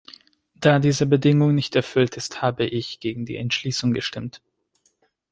Da diese Bedingung nicht erfüllt ist, habe ich gegen die Entschließung gestimmt.